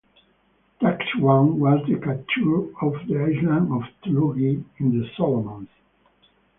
Task One was the capture of the island of Tulagi in the Solomons.